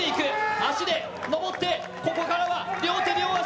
足で登って、ここからは両手両足。